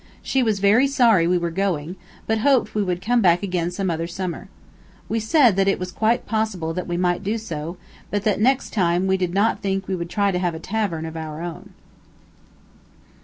She was very sorry we were going, but hoped we would come back again some other summer. We said that it was quite possible that we might do so; but that, next time, we did not think we would try to have a tavern of our own.